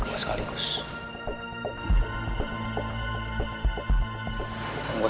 aku tuh gak udah abis mencoba